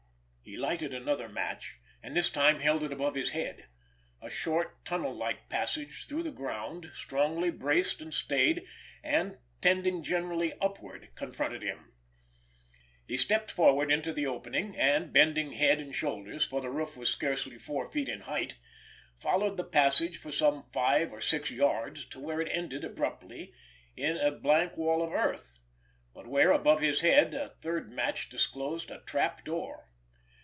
He lighted another match, and this time held it above his head. A short, tunnel like passage through the ground, strongly braced and stayed, and trending gently upward, confronted him. He stepped forward into the opening, and, bending head and shoulders, for the roof was scarcely four feet in height, followed the passage for some five or six yards to where it ended abruptly in a blank wall of earth, but where, above his head, a third match disclosed a trap door.